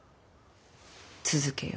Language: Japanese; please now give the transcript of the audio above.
続けよ。